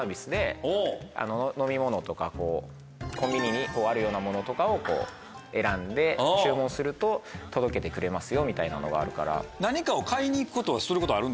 飲み物とかコンビニにあるようなものとかを選んで注文すると届けてくれますよみたいなのがあるから。